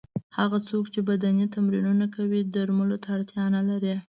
هغه څوک چې بدني تمرینونه کوي درملو ته اړتیا نه لري.